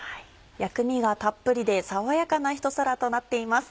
薬味がたっぷりで爽やかなひと皿となっています。